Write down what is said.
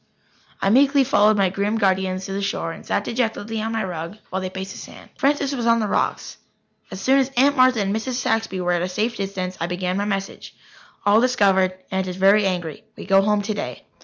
I meekly followed my grim guardians to the shore and sat dejectedly on my rug while they paced the sand. Francis was on the rocks. As soon as Aunt Martha and Mrs. Saxby were at a safe distance, I began my message: "All discovered. Aunt is very angry. We go home today."